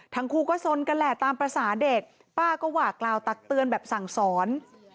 ทั้งคู่ก็สนกันแหละตามภาษาเด็กป้าก็หว่ากล่าวตักเตือนแบบสั่งสอน